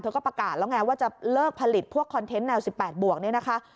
เธอก็ประกาศแล้วไงว่าจะเลิกผลิตพวกคอนเทนต์แนว๑๘บวก